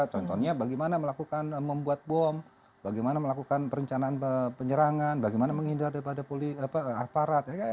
contohnya bagaimana melakukan membuat bom bagaimana melakukan perencanaan penyerangan bagaimana menghindar daripada aparat